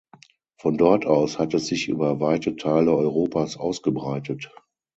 Von dort aus hat es sich über weite Teile Europas ausgebreitet.